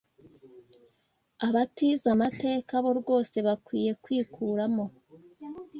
Abatize amateka bo rwose bakwiye kwikuramo